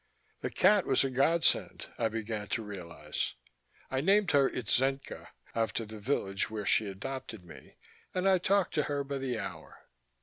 The cat was a godsend, I began to realize. I named her Itzenca, after the village where she adopted me, and I talked to her by the hour.